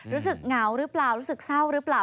เหงาหรือเปล่ารู้สึกเศร้าหรือเปล่า